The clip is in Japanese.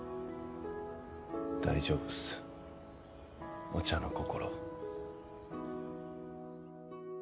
大丈夫っすお茶の心。